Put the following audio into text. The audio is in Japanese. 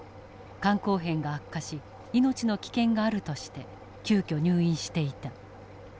肝硬変が悪化し命の危険があるとして急きょ入院していた。